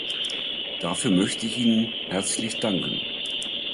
Dafür möchte ich Ihnen herzlich danken.